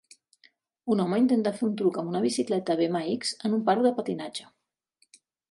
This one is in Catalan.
Un home intenta fer un truc amb una bicicleta BMX en un parc de patinatge.